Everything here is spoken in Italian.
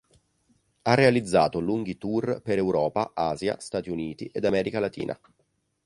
Ha realizzato lunghi tour per Europa, Asia, Stati Uniti, ed America Latina.